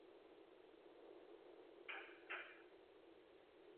Ježek musí mít neustále přístup k čerstvé vodě.